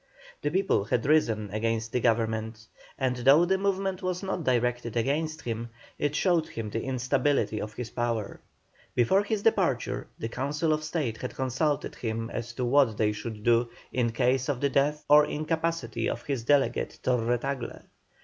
The people had risen against the Government, and though the movement was not directed against him, it showed him the instability of his power. Before his departure the Council of State had consulted him as to what they should do in case of the death or incapacity of his delegate, Torre Tagle.